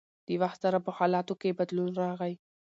د وخت سره په حالاتو کښې بدلون راغی